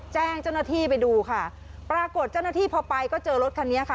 แจ้งเจ้าหน้าที่ไปดูค่ะปรากฏเจ้าหน้าที่พอไปก็เจอรถคันนี้ค่ะ